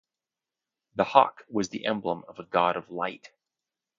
The hawk was the emblem of a god of light.